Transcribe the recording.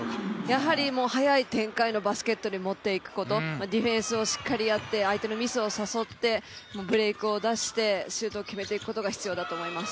やはり速い展開のバスケットに持っていくこと、ディフェンスをしっかりやって相手のミスを誘ってブレークを出してシュートを決めていくことが必要だと思います。